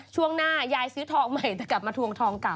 ช่วงหน้ายายซื้อทองใหม่แต่กลับมาทวงทองเก่า